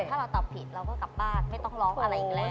ถ้าเราตอบผิดเราก็กลับบ้านไม่ต้องร้องอะไรอีกแล้ว